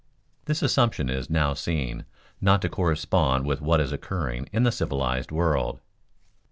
_ This assumption is now seen not to correspond with what is occurring in the civilized world.